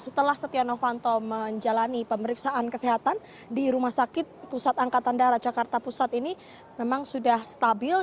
setelah setia novanto menjalani pemeriksaan kesehatan di rumah sakit pusat angkatan darat jakarta pusat ini memang sudah stabil